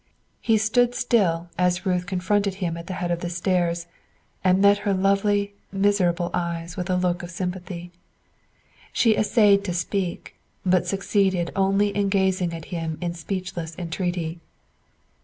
He stood still as Ruth confronted him at the head of the stairs, and met her lovely, miserable eyes with a look of sympathy. She essayed to speak, but succeeded only in gazing at him in speechless entreaty.